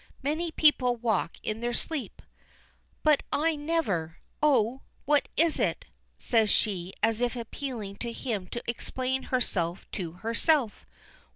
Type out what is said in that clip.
Many people walk in their sleep." "But I never. Oh! what is it?" says she, as if appealing to him to explain herself to herself.